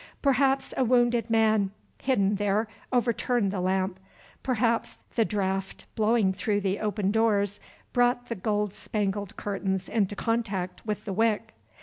Perhaps a wounded man hidden there overturned the lamp; perhaps the draught blowing through the open doors brought the gold spangled curtains into contact with the wick.